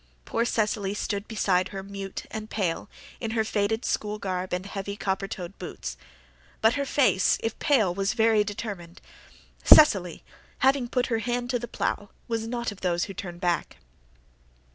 Poor Cecily stood beside her mute and pale, in her faded school garb and heavy copper toed boots. But her face, if pale, was very determined. Cecily, having put her hand to the plough, was not of those who turn back.